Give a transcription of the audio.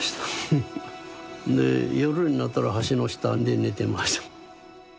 で夜になったら橋の下で寝てました。